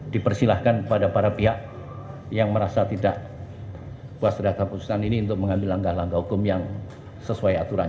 dipersilahkan kepada para pihak yang merasa tidak puas terhadap keputusan ini untuk mengambil langkah langkah hukum yang sesuai aturan